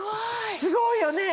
すごいよね。